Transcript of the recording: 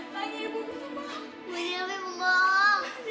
pelangi ibu minta maaf